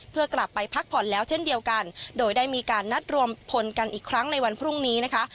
เพื่อกลับไปพักผ่อนแล้วเช่นเดียวกันโดยได้มีการนัดรวมพลกันอีกครั้งในวันพรุ่งนี้นะคะ